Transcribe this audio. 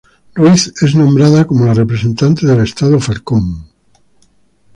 Ruiz es nombrada como la representante del estado Falcón